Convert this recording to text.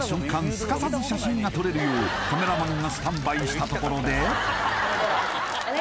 すかさず写真が撮れるようカメラマンがスタンバイしたところで・